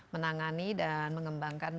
menangani dan mengembangkan